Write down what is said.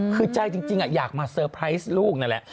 คือใจจริงอยากมาเตอร์ไพรส์ลูกนั่นแหละ